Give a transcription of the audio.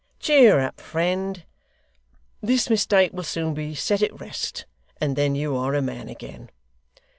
Cheer up, friend. This mistake will soon be set at rest, and then you are a man again!